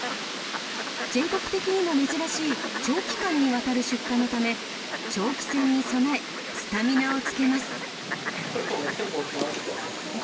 全国的にも珍しい長期間にわたる出荷のため長期戦に備えスタミナをつけます。